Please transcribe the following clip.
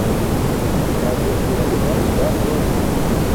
Twagiye twibagirwa ibya Tom